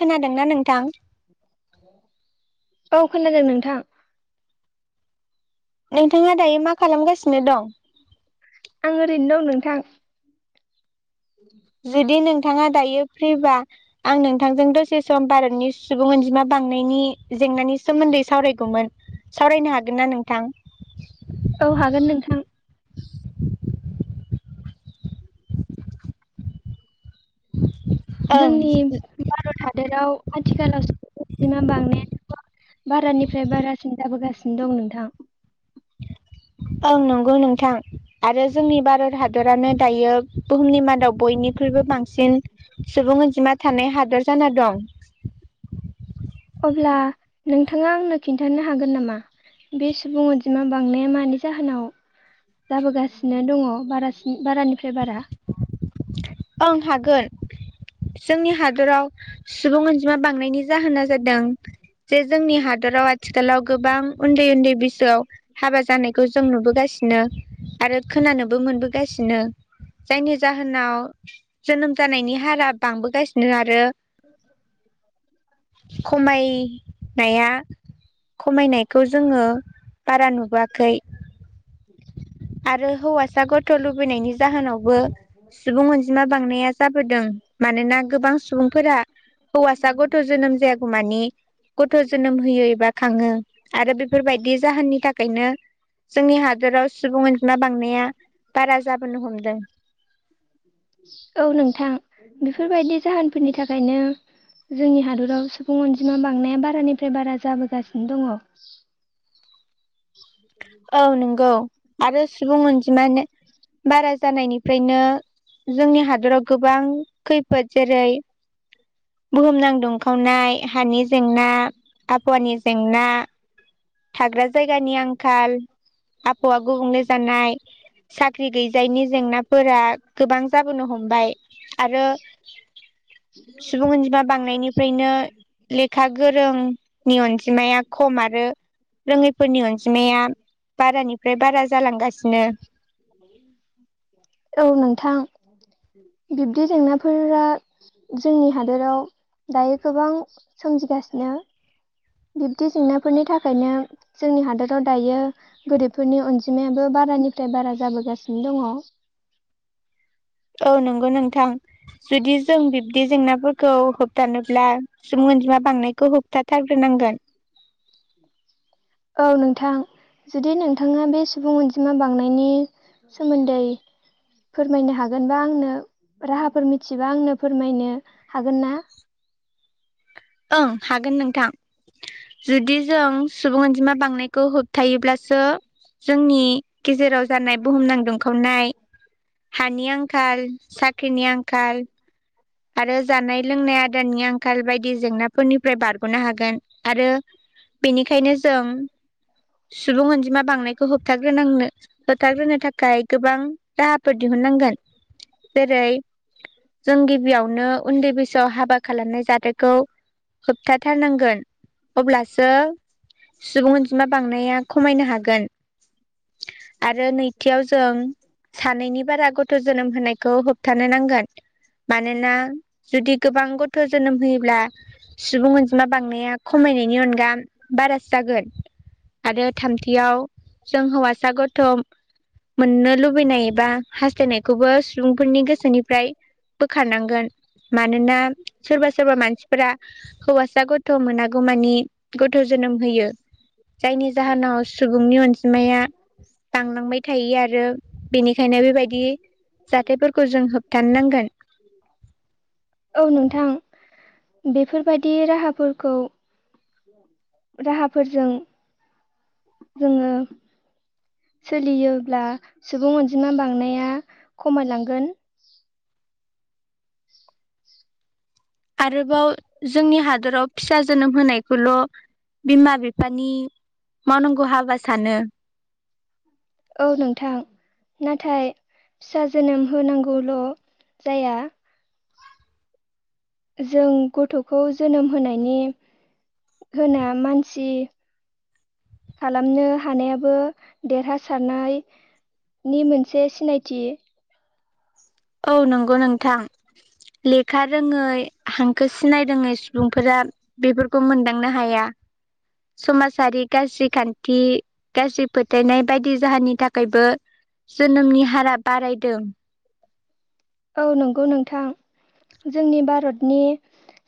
खोनादोंना नोंथां? औ खोनादों नोंथां। नोंथाङा दायो मा खालामगासिनो दं? आं ओरैनो दं नोंथां। [inaudible] जुदि नोंथाङा दायो फ्रिबा आं नोंथांजों दसे सम भारतनि सुबुं अनजिमा बांनायनि जेंनानि सोमोन्दै सावरायगौमोन। सावरायनो हागोन ना नोंथां? औ हागोन नोंथां। [inaudible] ओं जोंनि भारत हादराव आथिखालाव मेक्सिमाम बांनायानो' बारानिफ्राय बारासिन जाबोगासिनो दं नोंथां ओं नंगौ नोंथां आरो जोंनि भारत हादरानो दायो बुहुमनि मादाव बयनिख्रुइबो बांसिन सुबुं अनजिमा थानाय हादर जाना दं। अब्ला नोंथाङा आंनो खिन्थानो हागोन नामा बे सुबुं अनजिमा बांनाया मानि जाहोनाव जाबोगासिनो दङ बारासिन बारानिफ्राय बारा आं हागोन जोंनि हादराव सुबुं अनजिमा बांनायनि जाहोना जादों जे जोंनि हादराव आथिखालाव गोबां उन्दै उन्दै बैसोआव हाबा जानायखौ जों नुबोगासिनो आरो खोनानोबो मोनबोगासिनो। जायनि जाहोनाव जोनोम जानायनि हारा बांबोगासिनो आरो। खमायनाया खमायनायखौ जोङो बारा नुबोआखै आरो हौवा गथ' लुबैनायनि [unintelligible] बो सुबुं अनजिमा बांनाया जाबोदों मानोना गोबां सुबुंफोरा हौवासा गथ' जोनोम जायागौमानि गथ' जोनोम होयो एबा खाङो आरो बेफोरबायदि जाहोननि थाखायनो जोंनि हादराव सुबुं अनजिमा बांनाया बारा जाबोनो हमदों। औ नोंथां बेफोरबायदि जाहोनफोरनि थाखायनो जोंनि हादराव सुबुं अनजिमा बांनाया बारानिफ्राय बारा जाबोगासिनो दङ। औ नंगौ आरो सुबुं अनजिमानो बारा जानायनिफ्रायनो जोंनि हादराव गोबां खैफोद जेरै बुहुमनां दुंखावनाय हानि जेंना आबहावानि जेंना थाग्रा जायगानि आंखाल आबहावा गुबुंले जानाय साख्रि गैजायैनि जेंनाफोरा गोबां जाबोनो हमबाय आरो सुबुं अनजिमा बांनायनिफ्रायनो लेखा गोरोंनि अनजिमाया खम आरो। रोङैफोरनि अनजिमाया ओमफ्राय बारा जालांगासिनो औ नोंथां बिब्दि जेंनाफोरा जोंनि हादोराव दायो गोबां सोमजिगासिनो। बिब्दि जेंनाफोरनि थाखायनो जोंनि हादोराव दायो गोरिबफोरनि अनजिमायाबो बारानिफ्राय बारा जाबोगासिनो दङ। औ नंगौ नोंथां जुदि जों बिब्दि जेंनाफोरखौ होबथानोब्ला सुबुं अनजिमा बांनायखौ होबथाथारग्रोनांगोन। औ नोंथां जुदि नोंथाङा बे सुबुं अनजिमा बांनायनि सोमोन्दै फोरमायनो हागोन बा आंनो राहाफोर मिथिबा आंनो फोरमायनो हागोन ना? ओं हागोन नोंथां जुदि जों सुबुं अनजिमा बांनायखौ होबथायोबब्लासो जोंनि गेजेराव जानाय बुहुमनां दुंखावनाय हानि आंखाल। साख्रिनि आंखाल आरो जानाय लोंनाय आदारनि आंखाल बायदि जेंनाफोरनि फ्राय बारग'नो हागोन आरो बेनिखायनो जों सुबुं अनजिमा बांनायखौ होबथाग्रोननो होबथाग्रोनो थाखाय गोबां राहा फोर दिहुननांगोन जेरै जों गिबि गिबियावनो उन्दै बैसोआव हाबा खालामनाय जाथायखौ होबथाथारनांगोन अब्लासो सुबुं अनजिमा बांनाया खमायनो हागोन। आरो नैथियाव जों सानैनि बारा गथ' जोनोम होनायखौ होबथानो नांगोन। मानोना जुदि गोबां ग थ' जोनोम होयोब्ला सुबुं अनजिमा बांनाया खमायनायनि अनगा बारा जागोन आरो थामथियाव जों हौवासा गथ' मोननो लुबैनाय एबा हास्थायनायखौबो सुबुंफोरनि गोसोनिफ्राय बोखारनांगोन मानोना सोरबा सोरबा मानसिफोरा हौवासा गथ' मोनागौमानि गथ' जोनोम होयो जायनि जाहोनाव सुबुंनि अनजिमाया बांलांबाय थायो आरो बेनिखायनो बेबायदि जाथायफोरखौ जों होबथानो नांगोन। औ नोंथां बेफोरबायदि राहाफोरखौ राहाफोरजों जोङो सोलियोब्ला सुबुं अनजिमा बांनाया खमायलांगोन आरोबाव जोंनि हादराव फिसा जोनोम होनायखौल' बिमा बिफानि मावनांगौ हाबा सानो औ नोंथां नाथाय फिसा जोनोम होनांगौल' जाया जों गथ'खौ जोनोम होनायनि होना मानसि खालामनो हानायाबो देरहासारनायनि मोनसे सिनायथि औ नंगौ नोंथां लेखा रोङै हांखो सिनाय रोङै सुबुंफोरा बेफोरखौ मोनदांनो हाया समाजारि गाज्रि खान्थि गाज्रि फोथायनाय बायदि जाहोननि थाखायबो जोनोमनि हारा बारायदों औ नंगौ नोंथां जोंनि भारतनि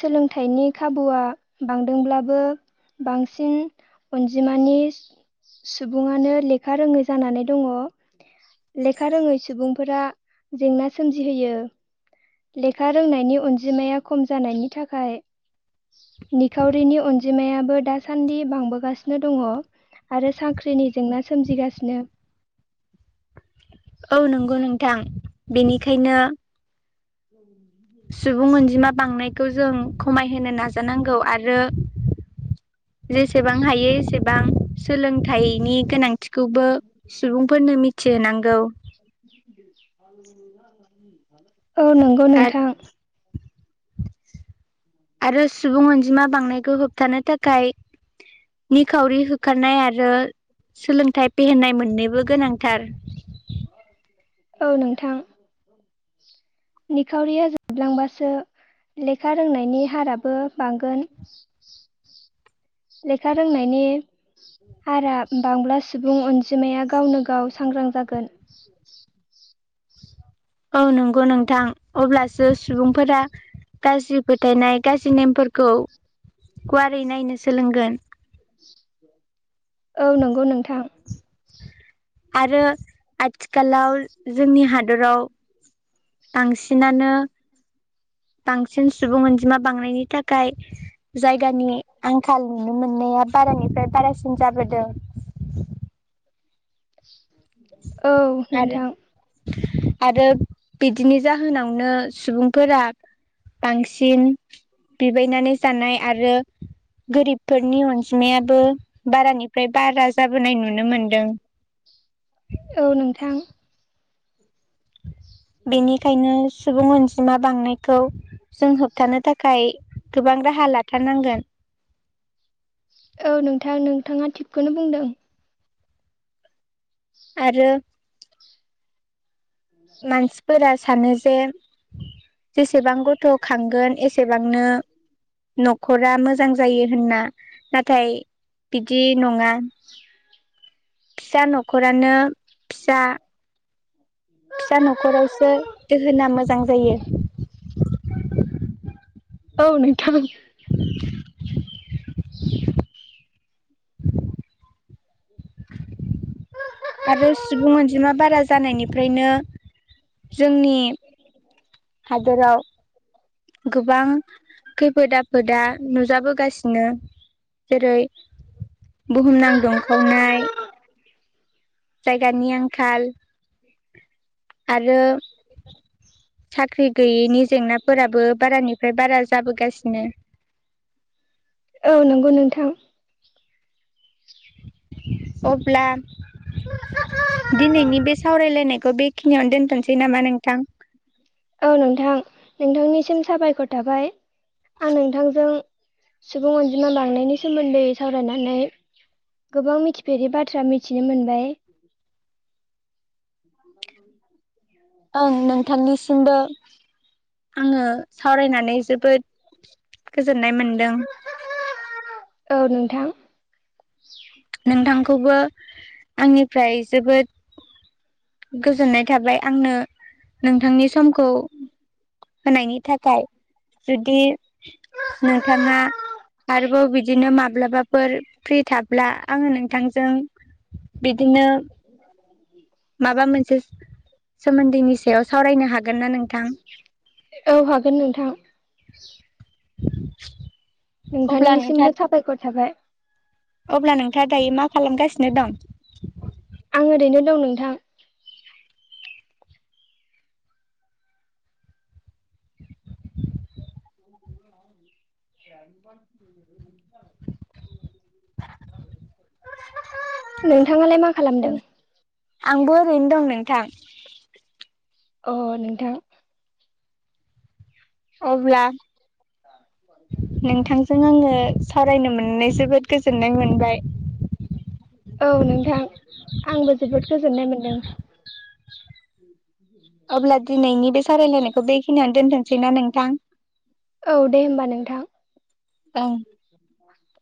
सोलोंथाइनि खाबुआ बांदोंब्लाबो बांसिन अनजिमानि सुबुङानो लेखा रोङै जानानै दङ लेखा रोङै सुबुंफोरा जेंना सोमजिहोयो लेखा रोंनायनि अनजिमाया खम जानायनि थाखाय निखावरिनि अनजिमायाबो दासान्दि बांबोगासिनो दङ आरो साख्रिनि जेंना सोमजिगासिनो औ नंगौ नोंथां बेनिखायनो [inaudible] सुबुं अनजिमा बांनायखौ जों खमायहोनो नाजानांगौ आ रो जेसेबां हायो एसेबां सोलोंथाइनि गोनांथि खौबो सुबुंफोरनो मि होनोनां [inaudible] [unintelligible] औ नंगौ आरो नोंथां आरो सुबुं अनजिमा बांनायखौ होबथानो थाखाय निखावरि होखारनाय आरो सोलोंथाइ फेहेरनाय मोननैबो गोनांथार औ नोंथां निखावरिया जोबलांबासो लेखा रोंनायनि हाराबो बांगोन लेखा रोंनायनि हारा बांब्ला सुबुं अनजिमाया गावनो गाव सांग्रां जागोन औ नंगौ नोंथां अब्लासो सुबुंफोरा गाज्रि फोथायनाय गाज्रि नेमफोरखौ गुवारै नायनो सोलोंगोन औ नंगौ नोंथां आरो आथि खालाव जोंनि हादराव बांसिनानो बांसिन सुबुं अनजिमा बांनायनि थाखाय जायगानि आंखाल नुनो मोननाया बारानिफ्राय बारासिन जाबोदों [inaudible] औ आरो नोंथां आरो बिदिनि जाहोनावनो सुबुंफोरा बांसिन बेबाय नानै जानाय आरो गोरिबफोरनि अनजिमायाबो बारानि फ्राय बारा जाबोनाय नुनो मोन दों औ नोंथां बेनिखायनो सुबुं अनजि मा बांनायखौ जों होबथानो थाखाय गोबां राहा लाथारनांगोन। औ नोंथां नोंथाङा थिखौनो बुंदों। आरो मानसि फोर सानो जे जेसेबां गथ' खांगोन एसेबांनो न'खरा मोजां जायो होनना नाथाय बिदि नङा फिसा न'खरानो फिसा फिसा न'खरावसो दोहोना मोजां जायो। औ नोथां। [inaudible] आरो सुबुं अनजिमा बारा जानायनिफ्रायनो जोंनि हादोराव गोबां खैफोद आफोदा नुजाबोगासिनो जेरै बुहुमनां दुंखावनाय। जायगानि आंखाल आरो साख्रि गैयैनि जेंना फोराबो बारानिफ्राय बारा जाबोगासिनो। औ नंगौ नोंथां अब्ला दिनैनि बे सावरायलायनायखौ बेखिनियावनो दोनथ'सै नामा नोंथां? औ नोंथां नोंथांनिसिम साबायखर थाबाय। आं नोंथांजों सुबुं अनजिमा बांनायनि सोमोन्दै सावरायनानै गोबां मिथिफेरि बाथ्रा मिथिनो मोनबाय। ओं नोंथांनिसिमबो आङो सावरायनानै जोबोद गोजोननाय मोनदों। औ नोंथां। नोंथांखौ खौबो आंनिफ्राय जोबोद गोजोननाय थाबाय आंनो नोंथांनि समखौ होनायनि थाखाय जुदि नोंथाङा आरोबाव बिदिनो मा माब्लाबाफोर फ्रि थाब्ला आं नोंथांजों बिदिनो माबा मोनसे सोमोन्दैनि सायाव सावरायनो हा औ हागोन नोंथां। [inaudible] अब्ला नोंथांनिसिमबो नोंथाङा साबायखर थाबाय। अब्ला नोंथाङा दायो मा? खालामगासिनो दं? आं ओरैनो दं नोंथां। [inaudible] [unintelligible] नोंथाङालाय मा खालामदों? आंबो ओरैनो दं नोंथां। अ नोंथां। अब्ला नोंथांजों आङो सावरायनो मोननानै जोबोद गोजोननाय मोनबाय औ नोंथां आंबो जोबोद गोजोननाय मोनदों। [inaudible] अब्ला दिनैनि बे सावायलायनायखौ बेखिनियावनो दोनथनोसैना नोंथां? औ दे होमबा नोंथां। [inaudible] ओं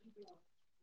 बि [inaudible]